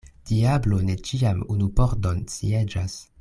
Diablo ne ĉiam unu pordon sieĝas.